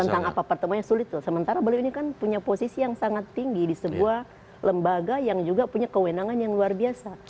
tentang apa pertemuannya sulit loh sementara beliau ini kan punya posisi yang sangat tinggi di sebuah lembaga yang juga punya kewenangan yang luar biasa